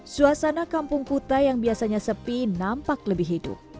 suasana kampung kuta yang biasanya sepi nampak lebih hidup